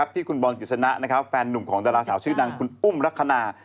ที่คุณบอลกฤษณะแฟนนุ่มของดาราสาวชื่อดังคุณอุ้มลักษณะ